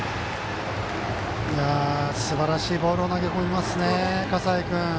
すばらしいボールを投げ込みますね、葛西君。